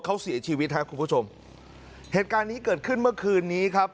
เขาเสียชีวิตครับคุณผู้ชมเหตุการณ์นี้เกิดขึ้นเมื่อคืนนี้ครับ